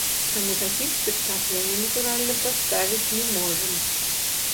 Таму такіх спектакляў мы, натуральна, паставіць не можам.